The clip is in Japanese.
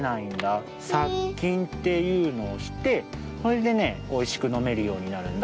さっきんっていうのをしてそれでねおいしくのめるようになるんだ。